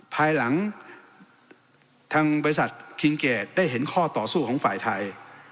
ภายหลังทางบริษัทคิงเกดได้เห็นข้อต่อสู้ของฝ่ายไทย